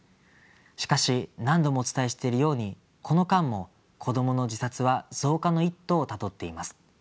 しかし何度もお伝えしているようにこの間も子どもの自殺は増加の一途をたどっています。